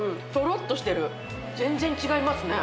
全然違いますね。